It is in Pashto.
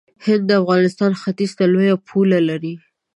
هند د افغانستان ختیځ ته لوی پوله لري.